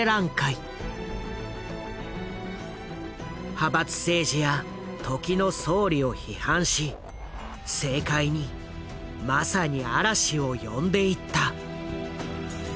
派閥政治や時の総理を批判し政界にまさに嵐を呼んでいった。